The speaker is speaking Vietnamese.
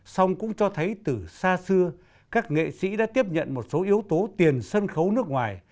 song cũng cho thấy từ xa xưa các nghệ sĩ đã tiếp nhận một số yếu tố tiền sân khấu nước ngoài